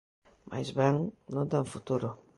Máis ben, non ten futuro.